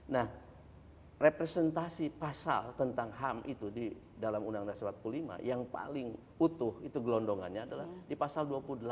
nah representasi pasal tentang ham itu di dalam undang undang dasar empat puluh lima yang paling utuh itu gelondongannya adalah di pasal dua puluh delapan